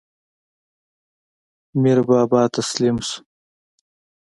میربابا تسلیم شو.